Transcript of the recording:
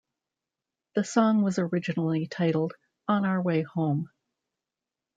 The song was originally titled "On Our Way Home".